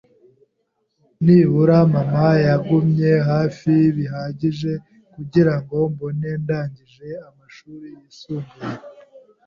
Nibura mama yagumye hafi bihagije kugirango mbone ndangije amashuri yisumbuye.